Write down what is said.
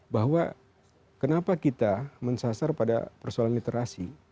bahwa kenapa kita mensasar pada persoalan literasi